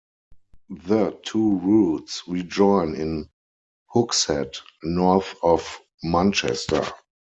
The two routes rejoin in Hooksett, north of Manchester.